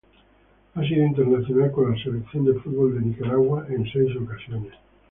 Ha sido internacional con la Selección de fútbol de Nicaragua en seis ocasiones.